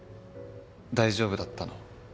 大丈夫だったの？